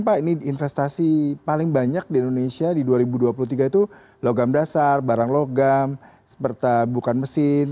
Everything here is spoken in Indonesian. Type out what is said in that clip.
pak ini investasi paling banyak di indonesia di dua ribu dua puluh tiga itu logam dasar barang logam bukan mesin